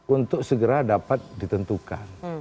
untuk segera dapat ditentukan